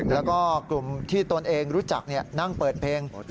แล้วก็กลุ่มที่ตนเองรู้จักนั่งเปิดเพลง